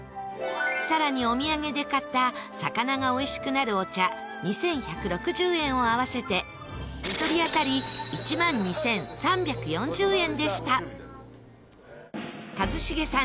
更に、お土産で買った魚がおいしくなるお茶２１６０円を合わせて１人当たり１万２３４０円でした一茂さん